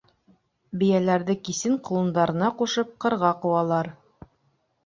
— Бейәләрҙе кисен ҡолондарына ҡушып ҡырға ҡыуалар.